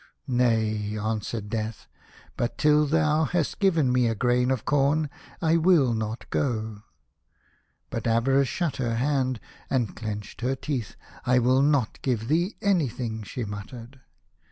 "Nay," answered Death, "but till thou hast given me a grain of corn I will not go." But Avarice shut her hand, and clenched her teeth. " I will not give thee anything," she muttered.